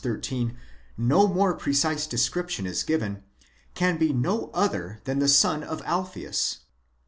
13) no more precise description is given, can be no other than the son of Alpheus.